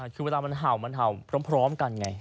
คือเวลามันเห่าพร้อมกันไง